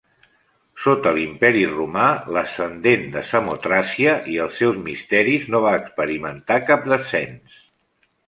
Sota l'Imperi romà, l'ascendent de Samotràcia i els seus misteris no va experimentar cap descens.